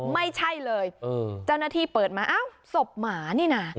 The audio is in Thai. ไม่ใช่เลยเจ้าหน้าที่เปิดมาอ้าวศพหมานี่นะ